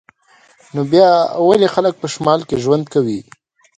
نو بیا ولې خلک په شمال کې ژوند کوي